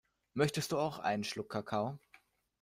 Möchtest du auch einen Schluck Kakao?